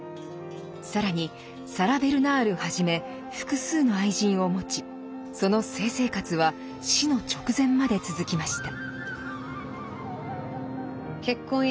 更にサラ・ベルナールはじめ複数の愛人をもちその性生活は死の直前まで続きました。